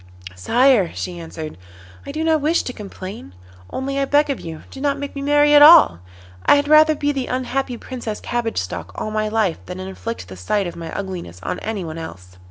'Sire,' she answered, 'I do not wish to complain, only I beg of you do not make me marry at all. I had rather be the unhappy Princess Cabbage Stalk all my life than inflict the sight of my ugliness on anyone else.